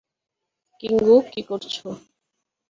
কিঙ্গো, কী করছ?